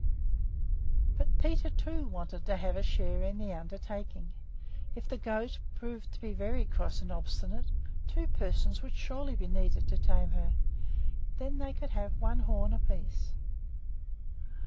But Peter, too, wanted to have a share in the undertaking. If the goat proved to be very cross and obstinate, two persons would surely be needed to tame her. Then they could have one horn apiece.